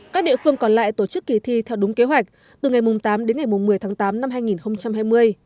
các địa phương còn lại tổ chức kỳ thi theo đúng kế hoạch từ ngày tám đến ngày một mươi tháng tám năm hai nghìn hai mươi